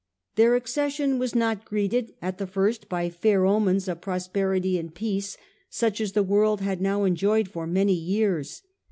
Their accession was not greeted at the first by fair omens of prosperity and peace, such as the world had now enjoyed for many years.